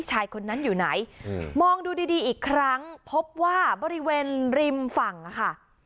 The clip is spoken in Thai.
ชายคนนั้นอยู่ไหนมองดูดีดีอีกครั้งพบว่าบริเวณริมฝั่งค่ะ